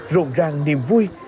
rộn ràng niềm vui